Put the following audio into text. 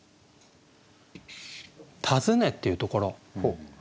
「訪ね」っていうところ。